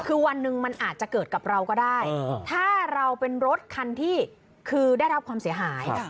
คือวันหนึ่งมันอาจจะเกิดกับเราก็ได้ถ้าเราเป็นรถคันที่คือได้รับความเสียหาย